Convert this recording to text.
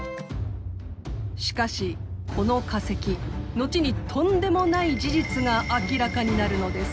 しかしこの化石後にとんでもない事実が明らかになるのです。